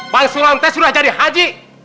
bang sulam teh sudah jadi haji